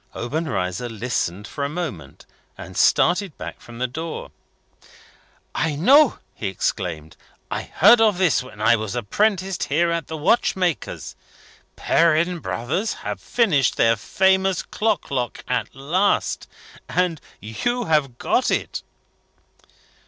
Obenreizer listened for a moment, and started back from the door. "I know!" he exclaimed. "I heard of this when I was apprenticed here at the watchmaker's. Perrin Brothers have finished their famous clock lock at last and you have got it?"